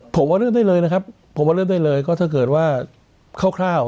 ผมว่าเริ่มได้เลยนะครับผมว่าเริ่มได้เลยก็ถ้าเกิดว่าคร่าว